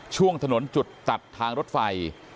ช่วงถนนจุดตัดทางรถไฟ